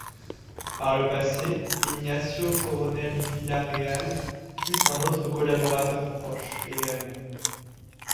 Par le passé, Ignacio Coronel Villarreal fut un autre collaborateur proche également.